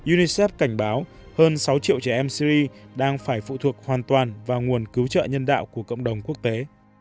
unicef cảnh báo hơn sáu triệu trẻ em syri đang phải phụ thuộc hoàn toàn vào nguồn cứu trợ nhân đạo của cộng đồng quốc tế